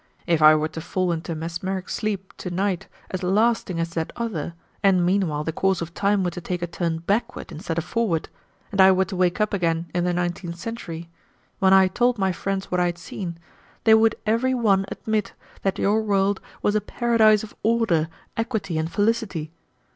If I were to fall into a mesmeric sleep tonight as lasting as that other and meanwhile the course of time were to take a turn backward instead of forward, and I were to wake up again in the nineteenth century, when I had told my friends what I had seen, they would every one admit that your world was a paradise of order, equity, and felicity.